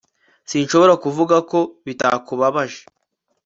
sinshobora kuvuga ko bitakubabaje